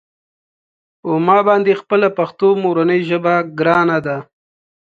په ما باندې خپله پښتو مورنۍ ژبه ګرانه ده.